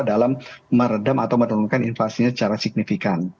dalam meredam atau menurunkan inflasinya secara signifikan